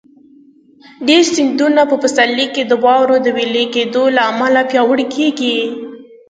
ډېری سیندونه په پسرلي کې د واورو د وېلې کېدو له امله پیاوړي کېږي.